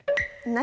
何？